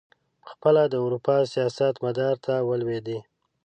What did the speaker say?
پخپله د اروپا سیاست مدار ته ولوېدی.